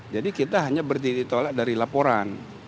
jadi kita hanya berdiri tolak dari laporan